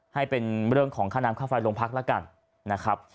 ให้เป็นเรื่องข้าน้ำค่าไฟลงพักละกัน